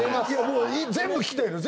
僕全部聞きたいのよ。